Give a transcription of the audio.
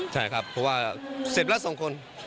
ใช่ครับเพราะว่าเสร็จแล้ว๒คน